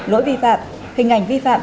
lỗi vi phạm hình ảnh vi phạm